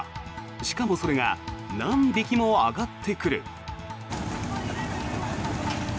しかもそれが何匹も揚がってくる。